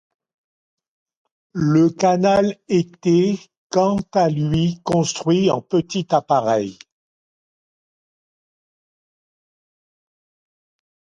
Le canal était, quant à lui, construit en petit appareil.